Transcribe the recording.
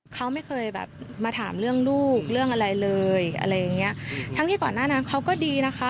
เขาไม่เคยแบบมาถามเรื่องลูกเรื่องอะไรเลยอะไรอย่างเงี้ยทั้งที่ก่อนหน้านั้นเขาก็ดีนะคะ